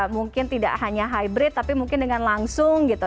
mungkin tidak hanya hybrid tapi mungkin dengan langsung gitu